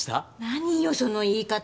何よその言い方！